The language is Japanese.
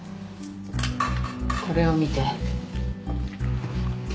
これを見て。